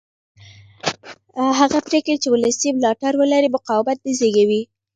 هغه پرېکړې چې ولسي ملاتړ ولري مقاومت نه زېږوي